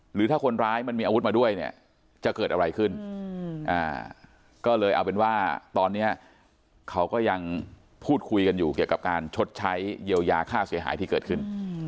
หรือถ้าคนร้ายมันมีอาวุธมาด้วยเนี่ยจะเกิดอะไรขึ้นก็เลยเอาเป็นว่าตอนนี้เขาก็ยังพูดคุยกันอยู่เกี่ยวกับการชดใช้เยียวยาค่าเสียหายที่เกิดขึ้น